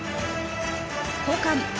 交換。